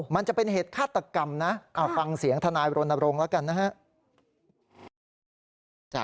มันจะเป็นเหตุฆาตกรรมนะฟังเสียงทนายรณรงค์แล้วกันนะฮะ